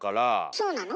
そうなの？